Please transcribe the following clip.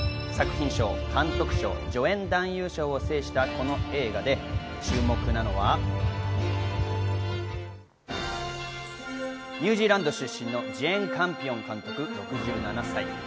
作品賞、監督賞、助演男優賞を制したこの映画で注目なのはニュージーランド出身のジェーン・カンピオン監督、６７歳。